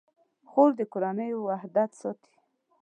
خور د کورنۍ وحدت ساتي.